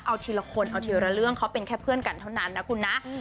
เอาทีละคนเอาทีละเรื่องเขาเป็นแค่เพื่อนกันเท่านั้นนะคุณนะ